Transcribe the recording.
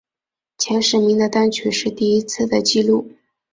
前十名的单曲是第一次的记录。